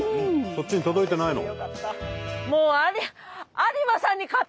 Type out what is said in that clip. そっちに届いてないの？